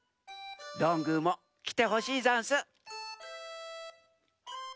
どんぐーもきてほしいざんす！